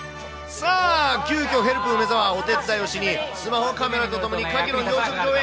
さあ、急きょヘルプ梅澤、お手伝いをしに、スマホカメラとともにカキの養殖場へ。